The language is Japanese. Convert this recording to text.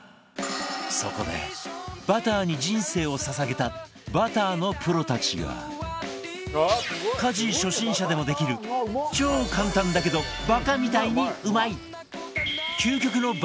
そこでバターに人生を捧げたバターのプロたちが家事初心者でもできる超簡単だけどバカみたいにうまい